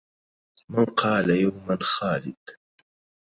من قال يوما خالد